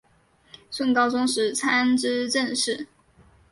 宋高宗时参知政事。